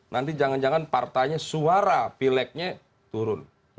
nanti jangan jangan partainya suara pileknya turun